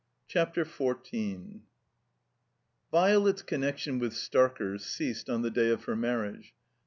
CHAPTER XIV VIOLET'S connection with Starker's ceased on the day of her marriage.